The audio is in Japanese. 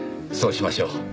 そうしましょう。